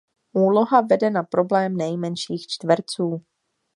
Úloha vede na problém nejmenších čtverců.